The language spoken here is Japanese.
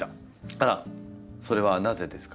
あらそれはなぜですか？